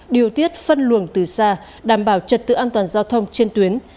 điều tiết phân luồng từ xa đảm bảo trật tự an toàn giao thông trên tuyến